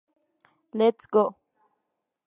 Let's go!".